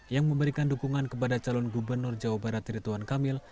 yang memberikan dukungan kepada calon gubernur jawa barat rituan kamil